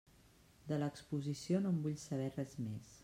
De l'exposició no en vull saber res més!